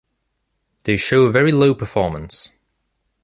They show very low performance.